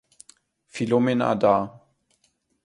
Philomena dar.